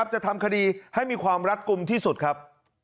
จะทำคดีให้มีความรัดกลุ่มที่สุดครับ